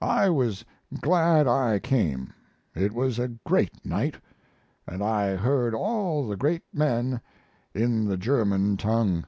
I was glad I came, it was a great night, & I heard all the great men in the German tongue.